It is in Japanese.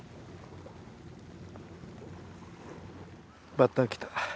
バッタ来た。